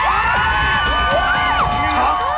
เอาล่ะครับเพื่อสู่รายการรถประหาสนุกนะครับ